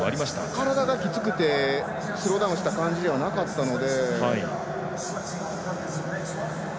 体がきつくてスローダウンした感じではなかったので。